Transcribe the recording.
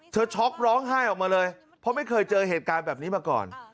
ช็อกร้องไห้ออกมาเลยเพราะไม่เคยเจอเหตุการณ์แบบนี้มาก่อน